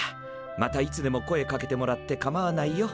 またいつでも声かけてもらってかまわないよ。